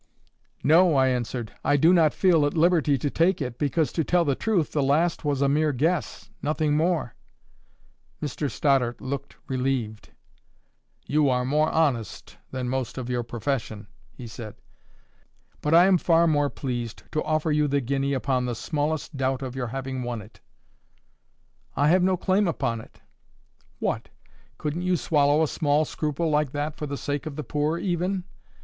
"No," I answered. "I do not feel at liberty to take it, because, to tell the truth, the last was a mere guess, nothing more." Mr Stoddart looked relieved. "You are more honest than most of your profession," he said. "But I am far more pleased to offer you the guinea upon the smallest doubt of your having won it." "I have no claim upon it." "What! Couldn't you swallow a small scruple like that for the sake of the poor even?